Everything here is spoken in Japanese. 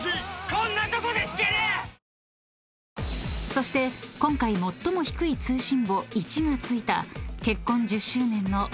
［そして今回最も低い通信簿１が付いた］